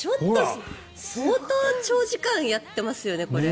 相当長時間やってますよね。